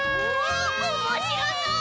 おもしろそう！